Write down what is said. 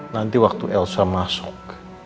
nanti waktu elsa masuk